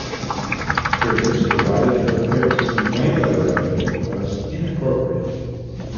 Critics derided her appearance and claimed that her outfit was inappropriate.